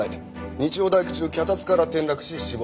日曜大工中脚立から転落し死亡。